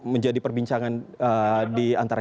menjadi perbincangan diantara